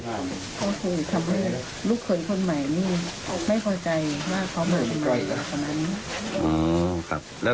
เขาคือทำให้ลูกเขินคนใหม่นี่ไม่พอใจว่าเค้าเหมือนกันบ่อยแล้ว